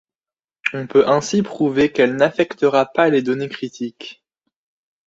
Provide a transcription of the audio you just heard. On peut ainsi prouver qu'elle n'affectera pas les données critiques.